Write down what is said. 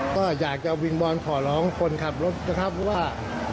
ก็อยากจะวิงวอนขอร้องคนขับรถนะครับว่า